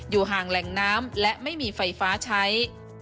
ห่างแหล่งน้ำและไม่มีไฟฟ้าใช้